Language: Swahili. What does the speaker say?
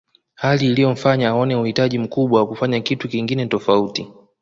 Hali iliyomfanya aone uhitaji mkubwa wa kufanya kitu kingine tofauti